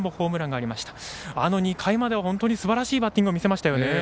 あの２回までは本当にすばらしいバッティングを見せましたよね。